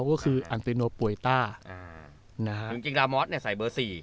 ก็คืออันตรีโนปวยต้าอ่านะฮะจริงจริงรามอสเนี้ยใส่เบอร์สี่